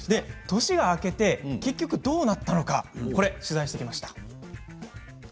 年が明けて結局どうなったのか取材してきました。